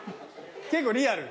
結構リアル？